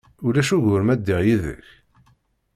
Ulac ugur ma ddiɣ yid-k?